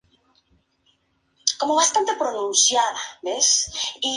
Ejecutaron múltiples misiones de bombardeo en la costa del Mar Adriático.